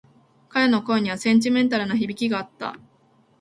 彼の声にはセンチメンタルな響きがあった。